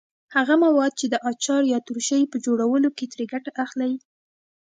هغه مواد چې د اچار یا ترشۍ په جوړولو کې ترې ګټه اخلئ.